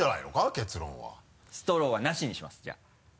結論ストローはなしにしますじゃあ。